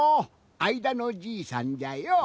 あいだのじいさんじゃよ。